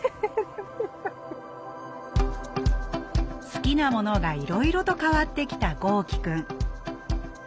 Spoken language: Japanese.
好きなものがいろいろと変わってきた豪輝くん。